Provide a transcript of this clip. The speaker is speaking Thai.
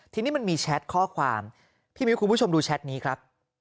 ทีนี้มันมีแชทข้อความพี่มิ้วคุณผู้ชมดูแชทนี้ครับ